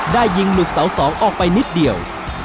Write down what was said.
ได้ยิงหลุดเสา๒ออกไปนิดเดียว